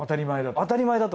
当たり前だと？